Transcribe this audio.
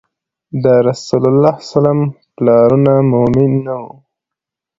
د رسول الله ﷺ پلرونه مؤمن نه وو